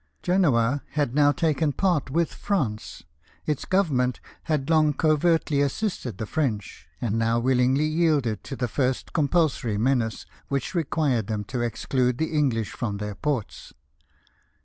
Genoa had now taken part with France ; its Government had long covertly assisted the French, and now willingly yielded to the first compulsory menace which requned them to exclude the English from their ports.